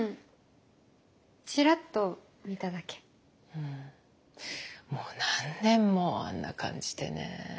うんもう何年もあんな感じでね。